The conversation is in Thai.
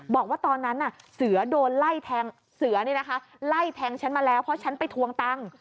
บอกว่าตอนนั้นเสือโดนไล่แทงเสือนี่นะคะไล่แทงฉันมาแล้วเพราะฉันไปทวงตังค์